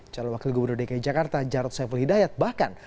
calon wakil gubernur dki jakarta jarod saiful hidayat bahkan